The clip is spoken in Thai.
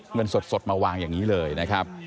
เงินสดมาวางอย่างนี้เลยนะครับ